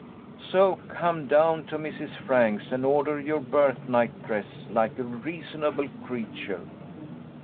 So come down to Mrs. Franks, and order your birthnight dress like a reasonable creature."